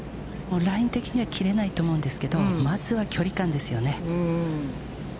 ライン的には切れないと思うんですけど、まずは距離感ですよね。